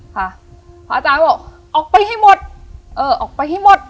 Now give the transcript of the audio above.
พระอาจารย์ก็บอกออกไปให้หมดเออออกไปให้หมด